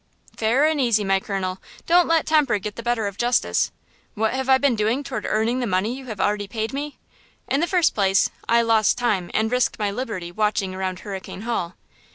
"Fair and easy, my colonel! Don't let temper get the better of justice! What have I been doing toward earning the money you have already paid me? In the first place, I lost time and risked my liberty watching around Hurricane Hall.